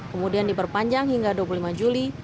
kemudian diperpanjang hingga dua puluh lima juli